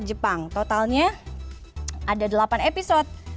jepang totalnya ada delapan episode